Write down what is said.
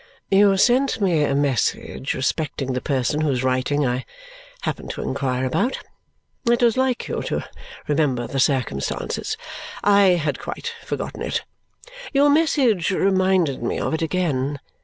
"You sent me a message respecting the person whose writing I happened to inquire about. It was like you to remember the circumstance; I had quite forgotten it. Your message reminded me of it again.